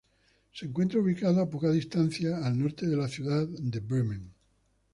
Se encuentra ubicado a poca distancia al norte de la ciudad de Bremen.